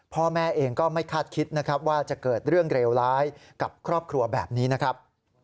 พ่อแม่เองก็ไม่คาดคิดนะครับว่าจะเกิดเรื่องเลวร้ายกับครอบครัวแบบนี้นะครับ